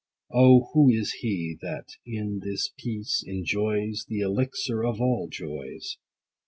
O, who is he, that, in this peace, enjoys The elixir of all joys